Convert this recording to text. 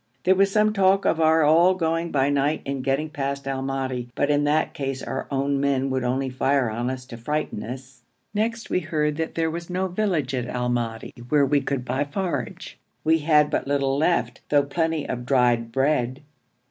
There was some talk of our all going by night and getting past Al Madi, but in that case our own men would only fire on us to frighten us. Next we heard that there was no village at Al Madi where we could buy forage; we had but little left, though plenty of dried bread.